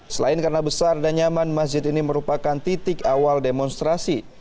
selain karena besar dan nyaman masjid ini merupakan titik awal demonstrasi